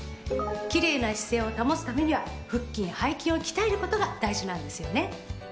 奇麗な姿勢を保つためには腹筋背筋を鍛えることが大事なんですよね。